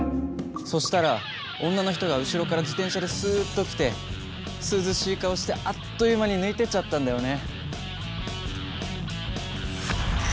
そしたら女の人が後ろから自転車でスッと来て涼しい顔してあっという間に抜いてっちゃったんだよね。